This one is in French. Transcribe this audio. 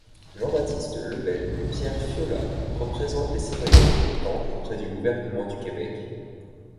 Jean-Baptiste Lebel et Pierre Fiola représentent les citoyens mécontents auprès du gouvernement du Québec.